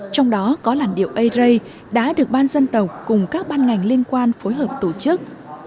trong đó có làn điệu ây rây đã được ban dân tộc cùng các ban ngành liên quan phối hợp tổ chức